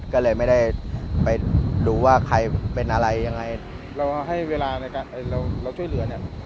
ก็เลยไม่ได้ไปดูว่าใครเป็นอะไรยังไงเราให้เวลาในการเราช่วยเหลือเนี่ย